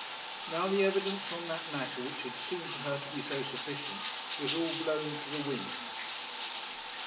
Now the evidence on that matter which had seemed to her to be so sufficient was all blown to the winds.